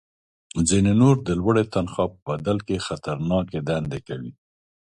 ځینې نور د لوړې تنخوا په بدل کې خطرناکې دندې کوي